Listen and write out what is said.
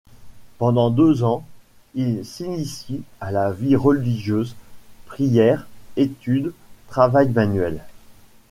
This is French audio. Pendant deux ans, il s'initie à la vie religieuse: prières, études, travail manuel.